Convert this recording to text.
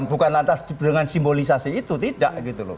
bukan lantas dengan simbolisasi itu tidak gitu loh